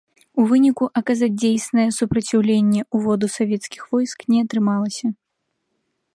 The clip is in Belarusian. У выніку аказаць дзейснае супраціўленне ўводу савецкіх войск не атрымалася.